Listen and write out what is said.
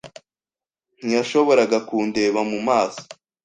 Ntiyashoboraga kundeba mu maso.